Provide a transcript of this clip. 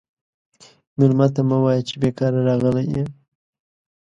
مېلمه ته مه وایه چې بیکاره راغلی یې.